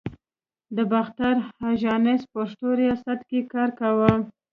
د باختر آژانس پښتو ریاست کې کار کاوه.